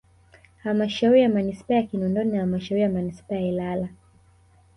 Halmashauri ya Manispaa ya Kinondoni na Halmashauri ya Manispaa ya Ilala